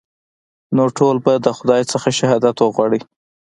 نو ټول به د خداى نه شهادت وغواړئ.